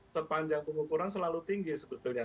sepanjang pengukuran selalu tinggi sebetulnya